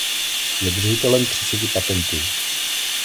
Je držitelem třiceti patentů.